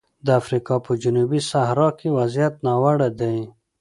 د افریقا په جنوبي صحرا کې وضعیت ناوړه دی.